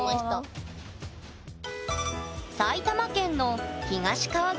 埼玉県の東川口駅。